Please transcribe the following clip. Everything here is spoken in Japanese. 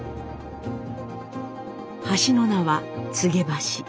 橋の名は黄柳橋。